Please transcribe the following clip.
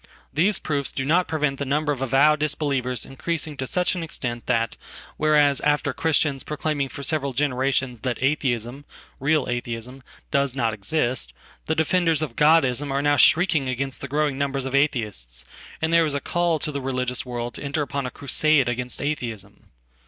Theseproofs do not prevent the number of avowed disbelievers increasingto such an extent that, whereas after Christians proclaiming forseveral generations that Atheism — real Atheism — does not exist, the defenders of godism are now shrieking against the growingnumber of Atheists, and there is a call to the religious world toenter upon a crusade against Atheism.